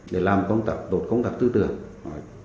để làm công tập tốt công tập tư tưởng